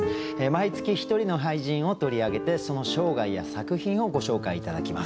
毎月１人の俳人を取り上げてその生涯や作品をご紹介頂きます。